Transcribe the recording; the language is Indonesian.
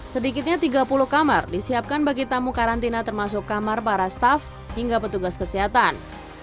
sedikitnya tiga puluh kamar disiapkan bagi tamu karantina termasuk kamar para staff hingga petugas kesehatan